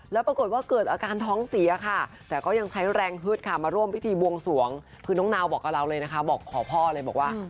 แล้วปรากฏว่าเกิดอาการท้องเสียค่ะแต่ก็ยังใช้แรงฮึดค่ะมาร่วมพิธีบวงสวงคือน้องนาวบอกกับเราเลยนะคะบอกขอพ่อเลยบอกว่า